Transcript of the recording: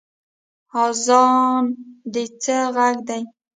اذان د څه غږ دی؟